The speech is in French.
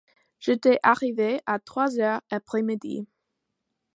J’étais arrivée à trois heures après midi.